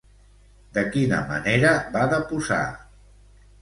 De quina manera va deposar?